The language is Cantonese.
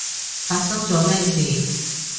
發生咗咩事？